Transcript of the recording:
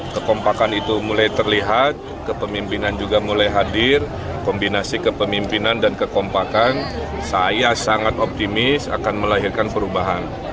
kekompakan itu mulai terlihat kepemimpinan juga mulai hadir kombinasi kepemimpinan dan kekompakan saya sangat optimis akan melahirkan perubahan